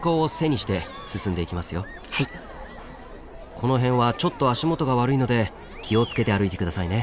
この辺はちょっと足元が悪いので気を付けて歩いて下さいね。